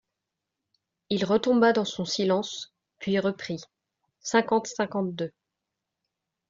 Il retomba dans son silence, puis reprit : cinquante-cinquante-deux.